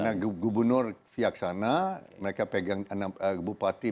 karena gubernur fiak sana mereka pegang bupati